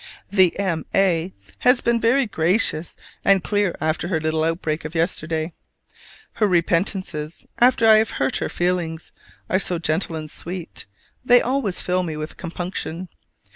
The M. A. has been very gracious and clear after her little outbreak of yesterday: her repentances, after I have hurt her feelings, are so gentle and sweet, they always fill me with compunction.